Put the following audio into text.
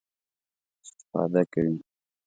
استفاده کوي.